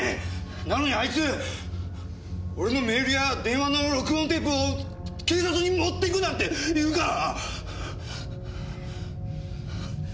なのにあいつ俺のメールや電話の録音テープを警察に持って行くなんて言うから！